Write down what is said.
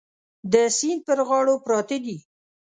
د سیند پر غاړو پراته دي.